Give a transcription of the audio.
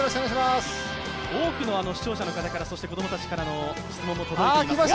多くの視聴者の方、子供たちからの質問も届いています。